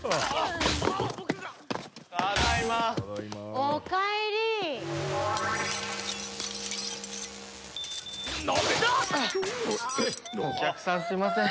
お客さんすいません。